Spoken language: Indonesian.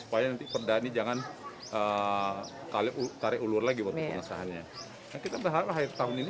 supaya nanti perdani jangan tarik ulur lagi waktu pengasahannya kita berharap akhir tahun ini sudah